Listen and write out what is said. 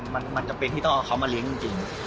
มันจำเป็นที่ต้องเอาเขามาเลี้ยงจริง